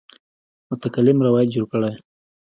متکلم روایت جوړ کړی.